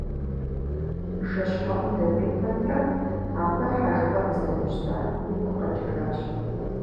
Бжэщхьэӏум дэкӏуей пэтрэ, абы хьэжыгъэ къызэримыщтар игу къэкӏыжащ.